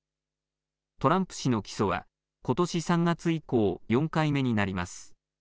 トランプ氏の起訴は、ことし３月以降、４回目になります。